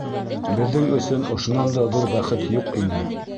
Беҙҙең өсөн ошонан да ҙур бәхет юҡ ине.